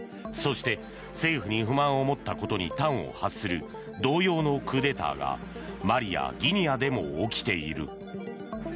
そして、政府に不満を持ったことに端を発する同様のクーデターがマリやギニアでも起きている。